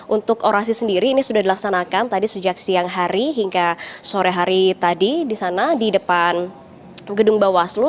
untuk orasi sendiri ini sudah dilaksanakan tadi sejak siang hari hingga sore hari tadi di sana di depan gedung bawaslu